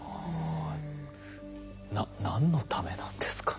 何のためなんですかね？